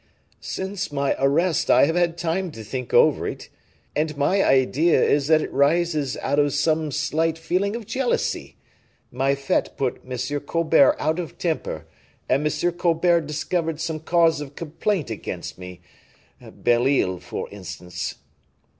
"Since my arrest, I have had time to think over it, and my idea is that it arises out of some slight feeling of jealousy. My fete put M. Colbert out of temper, and M. Colbert discovered some cause of complaint against me; Belle Isle, for instance."